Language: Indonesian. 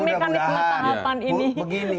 mekanisme tahapan ini mudah mudahan begini